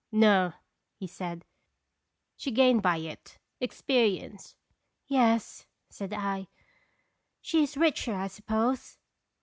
"No," he said; "she gained by it expe rience." " Yes," said 1; " she is richer, I suppose."